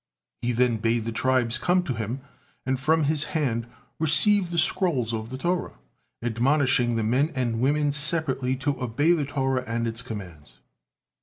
He then bade the tribes come to him, and from his hand receive the scrolls of the Torah, admonishing the men and women separately to obey the Torah and its commands.